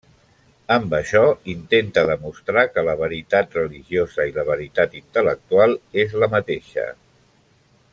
Amb això, intenta demostrar que la veritat religiosa i la veritat intel·lectual és la mateixa.